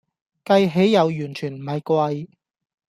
計起又完全唔係貴